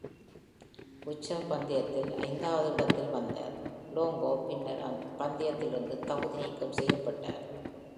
Bucher பந்தயத்தில் ஐந்தாவது இடத்தில் வந்தார்; Longo பின்னர் பந்தயத்திலிருந்து தகுதி நீக்கம் செய்யப்பட்டார்.